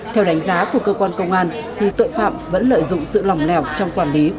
theo đánh giá của cơ quan công an tội phạm vẫn lợi dụng sự lỏng lẻo trong quản lý